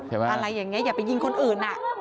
อะไรอย่างนี้อย่าไปยิงคนอื่น